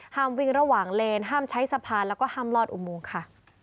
ห้ามวิ่งระหว่างเลนห้ามใช้สะพานแล้วก็ห้ามลอดอุโมงค่ะ